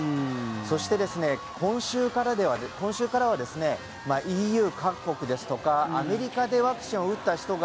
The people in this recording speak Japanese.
そして、今週からはＥＵ各国ですとかアメリカでワクチンを打った人が